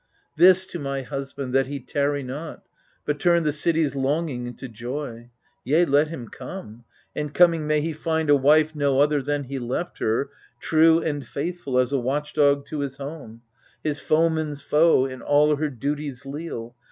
This to my husband, that he tarry not, But turn the city's longing into joy 1 Yea, let him come, and coming may he find A wife no other than he left her, true And faithful as a watch dog to his home, His foemen's foe, in all her duties leal.